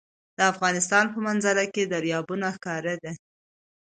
د افغانستان په منظره کې دریابونه ښکاره ده.